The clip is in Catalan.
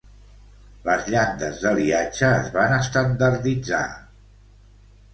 Les llandes d'aliatge es van estandarditzar.